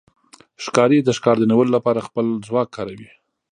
ښکاري د ښکار د نیولو لپاره خپل ځواک کاروي.